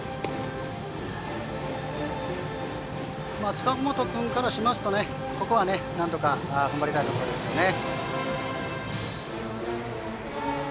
塚本君からしますとここは、なんとか踏ん張りたいところですね。